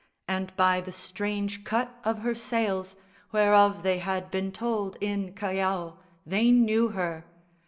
And by the strange cut of her sails, Whereof they had been told in Callao, They knew her!